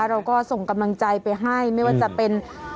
เราก็ส่งกำลังใจไปให้ไม่ว่าจะเป็น